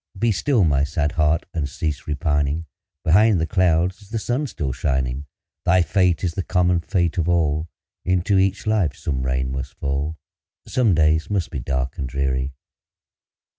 Be still, sad heart! and cease repining; Behind the clouds is the sun still shining; Thy fate is the common fate of all, Into each life some rain must fall, Some days must be dark and dreary.